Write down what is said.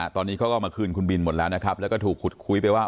ตอนนี้เขาก็มาคืนคุณบิลหมดแล้วนะครับก็ถูกคุยไปว่า